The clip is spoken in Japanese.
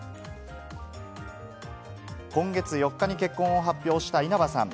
今月４日に結婚を発表した稲葉さん。